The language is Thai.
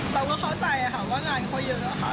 เราก็เข้าใจค่ะว่างานเขาเยอะค่ะ